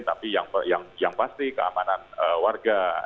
tapi yang pasti keamanan warga